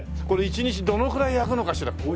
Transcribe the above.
これ１日どのくらい焼くのかしら？